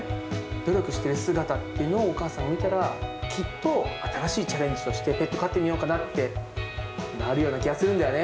努力している姿っていうのをお母さん見たら、きっと新しいチャレンジとして、ペット飼ってみようかなってなるような気がするんだよね。